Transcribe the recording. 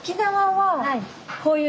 はい。